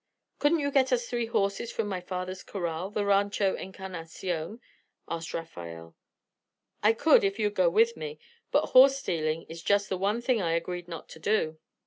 "Couldn't you get us three horses from my father's corral the Rancho Encarnacion?" asked Rafael. "I could, if you'd go with me; but horse stealing is just the one thing I agreed not to do."